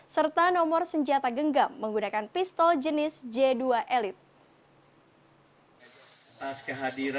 serta nomor senjata genggam menggunakan pistol jenis j dua elite